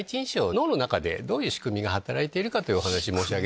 脳の中でどういう仕組みが働いているかというお話。